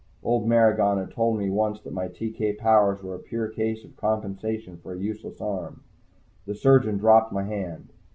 Old Maragon had told me once that my TK powers were a pure case of compensation for a useless arm. The surgeon dropped my hand.